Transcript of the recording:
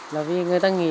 là vì người ta nghĩ